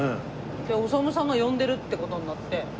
おさむさんが呼んでるって事になって。